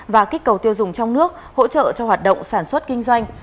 và kích cầu tiêu dùng trong nước hỗ trợ cho hoạt động sản xuất kinh doanh